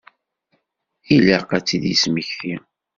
Ilaq ad tt-id-yesmekti.